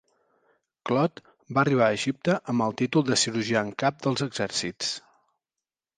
Clot va arribar a Egipte amb el títol de cirurgià en cap dels exèrcits.